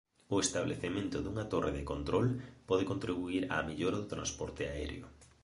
O establecemento dunha torre de control pode contribuír á mellora do transporte aéreo.